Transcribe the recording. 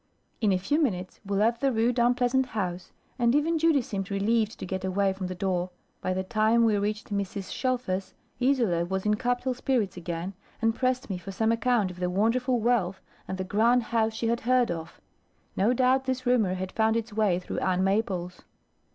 In a few minutes we left the rude unpleasant house, and even Judy seemed relieved to get away from the door. By the time we reached Mrs. Shelfer's, Idols was in capital spirits again, and pressed me for some account of the wonderful wealth, and the grand house she had heard of. No doubt this rumour had found its way through Ann Maples.